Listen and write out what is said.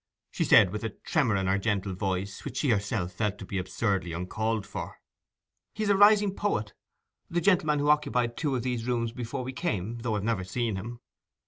she said, with a tremor in her gentle voice which she herself felt to be absurdly uncalled for. 'He is a rising poet—the gentleman who occupied two of these rooms before we came, though I've never seen him.